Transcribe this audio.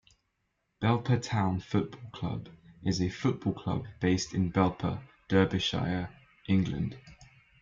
Belper Town Football Club is a football club based in Belper, Derbyshire, England.